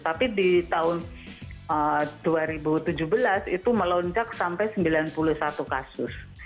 tapi di tahun dua ribu tujuh belas itu melonjak sampai sembilan puluh satu kasus